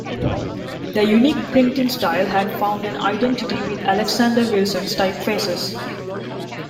Their unique printing style had found an identity with Alexander Wilson's type faces.